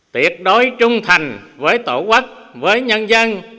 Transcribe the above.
tuyệt đối trung thành với tổ quốc với nhân dân